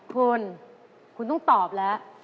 คุณคุณต้องตอบแล้ว